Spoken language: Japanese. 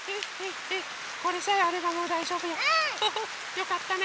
よかったね。